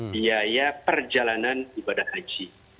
biaya perjalanan ibadah haji